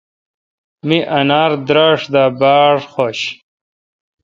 می انار دراݭ دا بارخوش نے۔